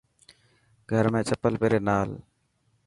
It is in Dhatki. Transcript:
گھر ۾ چپل پيري نا هل.